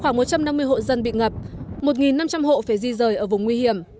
khoảng một trăm năm mươi hộ dân bị ngập một năm trăm linh hộ phải di rời ở vùng nguy hiểm